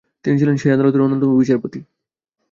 তিনি ছিলেন সেই আদালতের অন্যতম বিচারপতি।